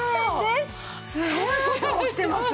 すごい事が起きてます。